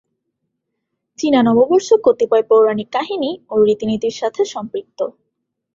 চীনা নববর্ষ কতিপয় পৌরাণিক কাহিনী ও রীতিনীতির সাথে সম্পৃক্ত।